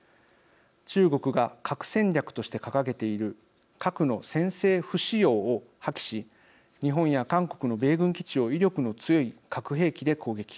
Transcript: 中国が核戦略として掲げている核の先制不使用を破棄し日本や韓国の米軍基地を威力の強い核兵器で攻撃。